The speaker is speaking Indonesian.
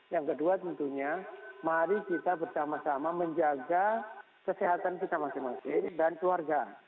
yang kedua tentunya mari kita bersama sama menjaga kesehatan kita masing masing dan keluarga